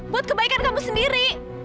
buat kebaikan kamu sendiri